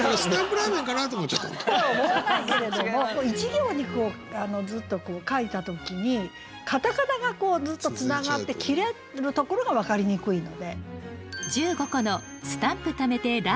１行にずっと書いた時に片仮名がずっとつながって切れるところが分かりにくいので。